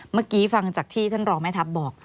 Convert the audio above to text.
เมื่อกี้ฟังจากที่ท่านรองแม่ทัพบอก